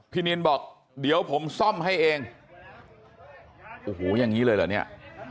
นินบอกเดี๋ยวผมซ่อมให้เองโอ้โหอย่างนี้เลยเหรอเนี่ย